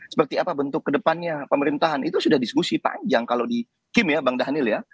seperti apa bentuk kedepannya pemerintahan itu sudah diskusi panjang kalau di kim ya bang daniel ya